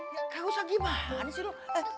tidak usah gimana sih lo